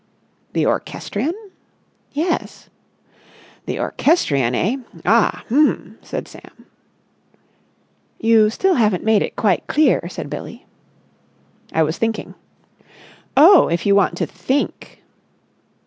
"The orchestrion?" "Yes." "The orchestrion, eh? Ah! H'm!" said Sam. "You still haven't made it quite clear," said Billie. "I was thinking." "Oh, if you want to _think!